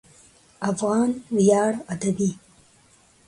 افغان ویاړ ادبي